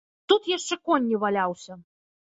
А тут яшчэ конь не валяўся.